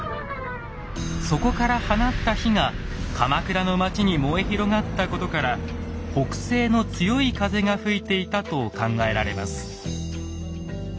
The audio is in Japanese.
そこから放った火が鎌倉の町に燃え広がったことから北西の強い風が吹いていたと考えられます。